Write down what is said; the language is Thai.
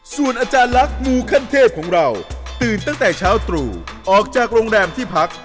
ส่วนอาจารย์ลักษณ์มูขั้นเทพของเราตื่นตั้งแต่เช้าตรู่ออกจากโรงแรมที่พัก